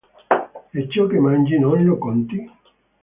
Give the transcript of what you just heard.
E ciò che mangi non lo conti?